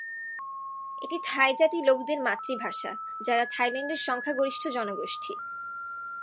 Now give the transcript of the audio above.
এটি থাই জাতির লোকদের মাতৃভাষা, যারা থাইল্যান্ডের সংখ্যাগরিষ্ঠ জনগোষ্ঠী।